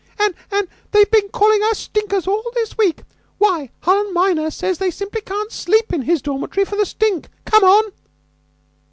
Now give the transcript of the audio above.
"An' an' they've been calling us 'stinkers' all this week. Why, Harland minor says they simply can't sleep in his dormitory for the stink. Come on!"